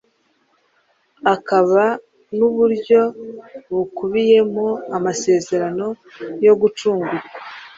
akaba n’uburyo bukubiyemo amasezerano yo gucungurwa.